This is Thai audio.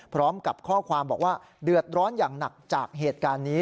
พร้อมกับข้อความบอกว่าเดือดร้อนอย่างหนักจากเหตุการณ์นี้